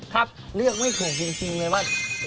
ครับเลือกไม่ถูกจริงเลยว่า